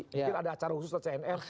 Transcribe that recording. mungkin ada acara khusus lah cnr